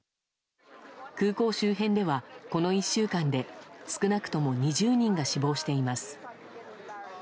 空港周辺ではこの１週間で少なくとも２０人が死亡しています。